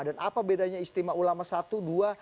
dan apa bedanya istimewa ulama satu dua